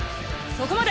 そこまで！